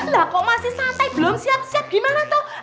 lapok masih santai belum siap siap gimana tuh